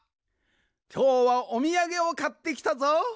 きょうはおみやげをかってきたぞ。